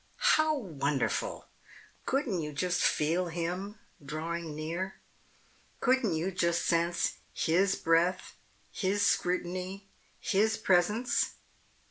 How wonderful! Couldn't you just feel Him drawing near? Couldn't you just sense His breath, His scrutiny, His Presence?